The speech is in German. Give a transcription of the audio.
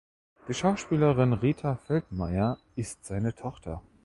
Die Schauspielerin Rita Feldmeier ist seine Tochter.